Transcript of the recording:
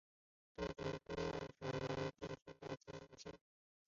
东急多摩川线营运的铁路线。